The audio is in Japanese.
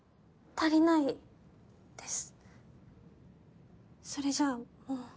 足りないです。